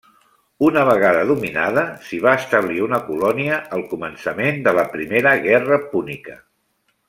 Una vegada dominada s'hi va establir una colònia al començament de la primera guerra púnica.